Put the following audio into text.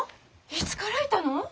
いつからいたの？